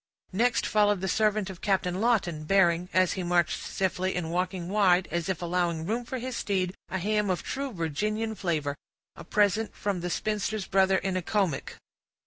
Next followed the servant of Captain Lawton, bearing, as he marched stiffly, and walking wide, as if allowing room for his steed, a ham of true Virginian flavor; a present from the spinster's brother in Accomac.